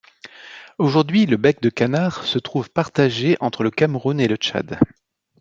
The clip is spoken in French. Aujourd'hui le Bec de Canard se trouve partagé entre le Cameroun et le Tchad.